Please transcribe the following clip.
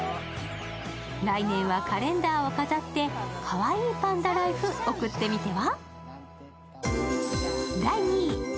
来年はカレンダーを飾って、かわいいパンダライフ送ってみては？